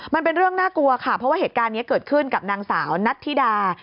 มันเป็นเรื่องน่ากลัวค่ะเพราะว่าเหตุการณ์นี้เกิดขึ้นกับนางสาวนัทธิดา